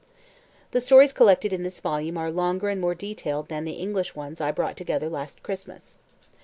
The stories collected in this volume are longer and more detailed than the English ones I brought together last Christmas.